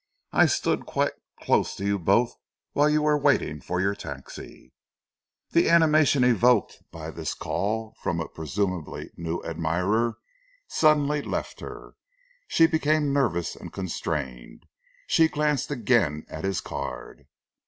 "I stood quite close to you both while you were waiting for your taxi." The animation evoked by this call from a presumably new admirer, suddenly left her. She became nervous and constrained. She glanced again at his card.